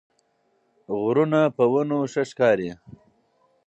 غرونه په ونو ښه ښکاري